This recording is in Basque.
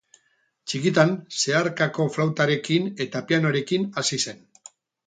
Txikitan zeharkako flautarekin eta pianoarekin hasi zen.